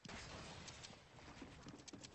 جانداد د نیکو فکرونو سیوری دی.